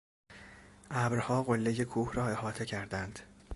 ابرها قلهی کوه را احاطه کردند.